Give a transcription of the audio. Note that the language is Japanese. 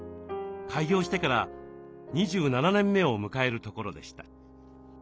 開業してから２７年目を迎えるところでした。